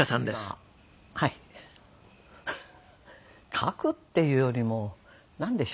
書くっていうよりもなんでしょうね。